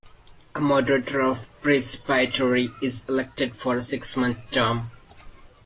A moderator of presbytery is elected for a six-month term.